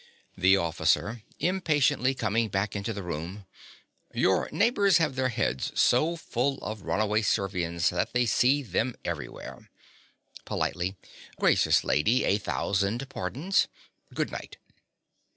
THE OFFICER. (impatiently, coming back into the room). Your neighbours have their heads so full of runaway Servians that they see them everywhere. (Politely.) Gracious lady, a thousand pardons. Good night.